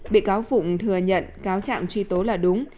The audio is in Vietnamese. bị cáo phụng thừa nhận cáo trạng truy tố là đúng